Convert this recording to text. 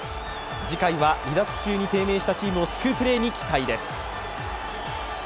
次回は離脱中に低迷したチームを救うプレーに期待です。